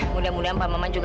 mudah mudahan pak maman juga